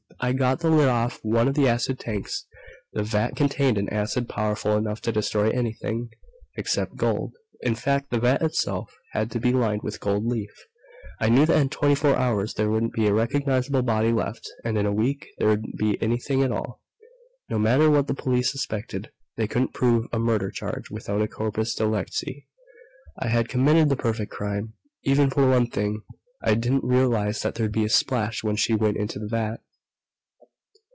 I got the lid off one of the acid tanks. The vat contained an acid powerful enough to destroy anything except gold. In fact, the vat itself had to be lined with gold leaf. I knew that in twenty four hours there wouldn't be a recognizable body left, and in a week there wouldn't be anything at all. No matter what the police suspected, they couldn't prove a murder charge without a corpus delicti. I had committed the perfect crime except for one thing. I didn't realize that there'd be a splash when she went into the vat."